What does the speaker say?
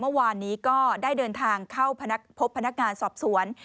เมื่อวานนี้ก็ได้เดินทางเข้าพบพนักงานสอบสวน